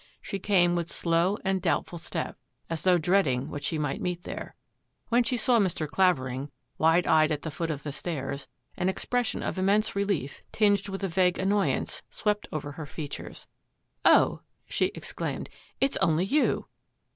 She came with slow and doubtful step, as though dreading what she might meet there. When she saw Mr. Clavering, wide eyed at the foot of the stairs, an expression of immense relief, tinged with a vague annoyance, swept over her features. " Oh,'' she exclaimed, " it is only you